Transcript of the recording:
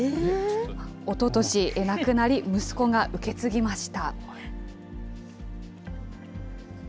おととし亡くなり、受け継ぎました。